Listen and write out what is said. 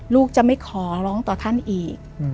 ลูกจะไม่ขอร้องต่อท่านอีก